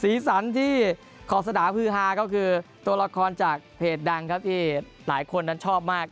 สีสันที่ขอสนาฮือฮาก็คือตัวละครจากเพจดังครับที่หลายคนนั้นชอบมาก